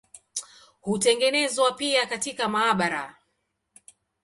Hutengenezwa pia katika maabara.